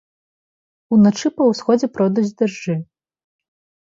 Уначы па ўсходзе пройдуць дажджы.